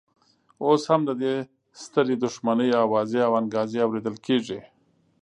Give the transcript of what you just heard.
اوس هم د دې سترې دښمنۍ اوازې او انګازې اورېدل کېږي.